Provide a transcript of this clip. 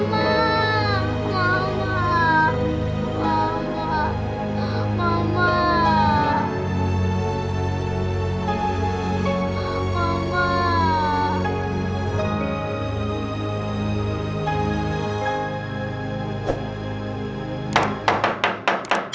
mama udah gak ada